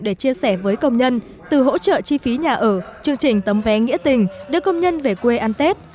để chia sẻ với công nhân từ hỗ trợ chi phí nhà ở chương trình tấm vé nghĩa tình đưa công nhân về quê ăn tết